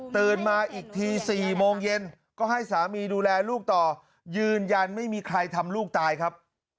มาอีกที๔โมงเย็นก็ให้สามีดูแลลูกต่อยืนยันไม่มีใครทำลูกตายครับ